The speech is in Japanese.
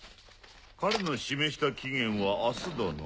彼の示した期限は明日だな。